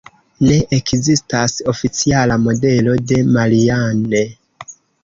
Ne ekzistas oficiala modelo de Marianne.